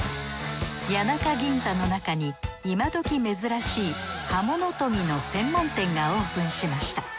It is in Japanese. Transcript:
谷中ぎんざの中に今どき珍しい刃物研ぎの専門店がオープンしました。